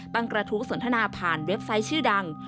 กระทู้สนทนาผ่านเว็บไซต์ชื่อดัง